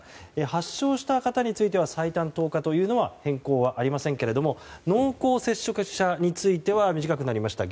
発症した方については最短１０日というのは変更はありませんが濃厚接触者については短くなりました。